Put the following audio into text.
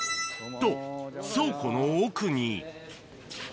と、倉庫の奥に。